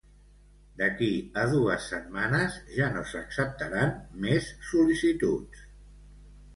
D'aquí a dues setmanes ja no s'acceptaran més sol·licituds.